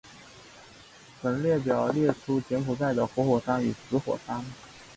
本列表列出柬埔寨的活火山与死火山。